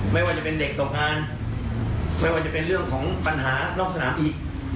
ไม่ว่าจะเป็นเด็กตกงานไม่ว่าจะเป็นเรื่องของปัญหานอกสนามอีก